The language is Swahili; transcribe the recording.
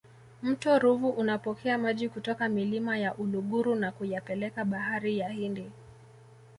mto ruvu unapokea maji kutoka milima ya uluguru na kuyapeleka bahari ya hindi